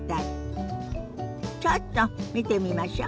ちょっと見てみましょ。